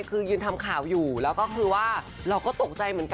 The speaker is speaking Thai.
คือยืนทำข่าวอยู่แล้วก็คือว่าเราก็ตกใจเหมือนกัน